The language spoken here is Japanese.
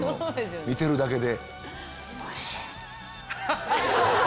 見てるだけで。